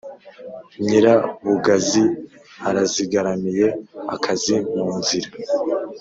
Nyirabugazi arazigaramiye-Akazi mu nzira.